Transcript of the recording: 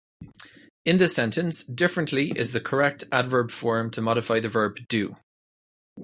In this sentence, "differently" is the correct adverb form to modify the verb "do."